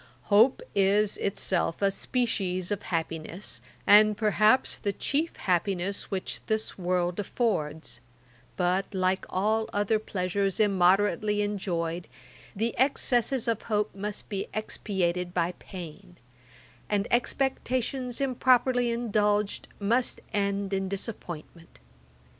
Hope is itself a species of happiness, and, perhaps, the chief happiness which this world affords: but, like all other pleasures immoderately enjoyed, the excesses of hope must be expiated by pain; and expectations improperly indulged, must end in disappointment.